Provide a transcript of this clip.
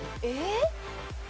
えっ。